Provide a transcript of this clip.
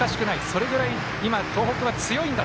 それぐらい今、東北は強いんだ。